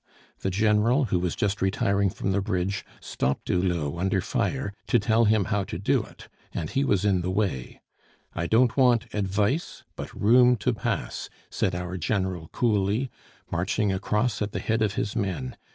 The General, who was just retiring from the bridge, stopped Hulot under fire, to tell him how to do it, and he was in the way. 'I don't want advice, but room to pass,' said our General coolly, marching across at the head of his men.